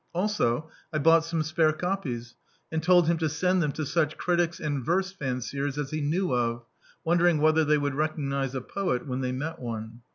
Also, I bought some spare copies, and told him to send them to such ciiucs and verse fanciers as he knew of, wondering whether they would recognise a poet when they met one.